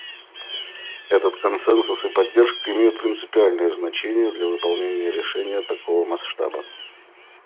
Этот консенсус и поддержка имеют принципиальное значение для выполнения решения такого масштаба.